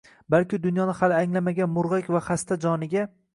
balki dunyoni hali anglamagan murg’ak va hasta joniga